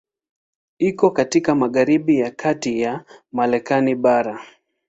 Iko katika magharibi ya kati ya Marekani bara.